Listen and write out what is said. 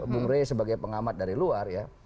bung rey sebagai pengamat dari luar ya